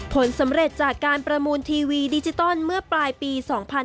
ผลสำเร็จจากการประมูลทีวีดิจิตอลเมื่อปลายปี๒๕๕๙